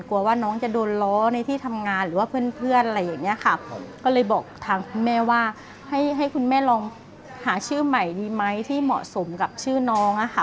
กลัวว่าน้องจะโดนล้อในที่ทำงานหรือว่าเพื่อนเพื่อนอะไรอย่างเงี้ยค่ะก็เลยบอกทางคุณแม่ว่าให้ให้คุณแม่ลองหาชื่อใหม่ดีไหมที่เหมาะสมกับชื่อน้องอะค่ะ